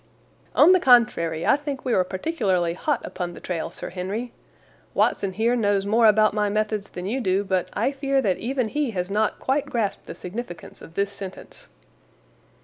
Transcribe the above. "On the contrary, I think we are particularly hot upon the trail, Sir Henry. Watson here knows more about my methods than you do, but I fear that even he has not quite grasped the significance of this sentence."